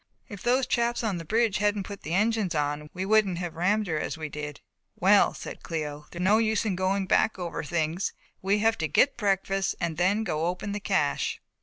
"If those chaps on the bridge hadn't put the engines on we wouldn't have rammed her as we did." "Well," said Cléo, "there is no use in going back over things. We have to get breakfast and then go and open the cache."